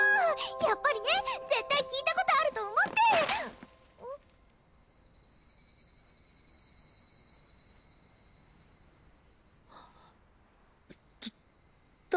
やっぱりね絶対聞いたことあると思ってはっ誰？